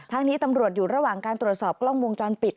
นี้ตำรวจอยู่ระหว่างการตรวจสอบกล้องวงจรปิด